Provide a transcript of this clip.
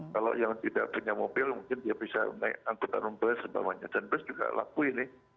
kalau yang tidak punya mobil mungkin dia bisa naik angkutan bus umpamanya dan bus juga laku ini